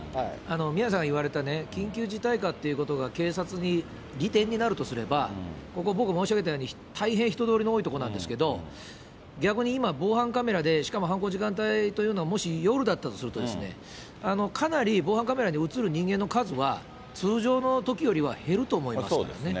宮根さんが言われたね、緊急事態下っていうことが警察に利点になるとすれば、ここ、僕申し上げたように、大変人通りの多い所なんですけれども、逆に今、防犯カメラで、しかも犯行時間帯というのがもし夜だったとすると、かなり防犯カメラに写る人間の数は、通常のときよりは減ると思いますよね。